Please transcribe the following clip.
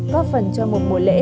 góp phần cho một mùa lễ